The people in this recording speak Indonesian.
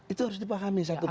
itu harus dipahami